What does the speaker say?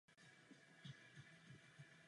Dokonce jste i vyrobil trička.